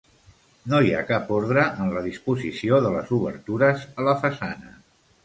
No hi ha cap ordre en la disposició de les obertures a la façana.